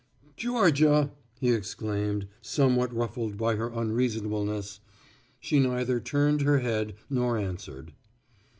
"Georgia," he exclaimed, somewhat ruffled by her unreasonableness. She neither turned her head nor answered.